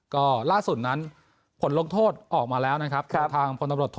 ก็ล่าสุดนั้นผลลงโทษออกมาแล้วนะครับ